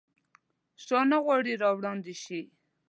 شاه نه غواړي راوړاندي شي.